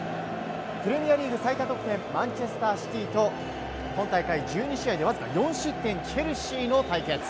リーグ最多得点マンチェスター・シティと今大会１２試合でわずか４失点チェルシーの対決。